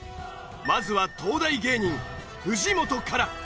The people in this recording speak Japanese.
まずは東大芸人藤本から。